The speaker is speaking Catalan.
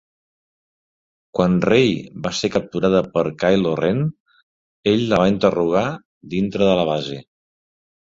Quan Rey va ser capturada per Kylo Ren, ell la va interrogar dintre de la base.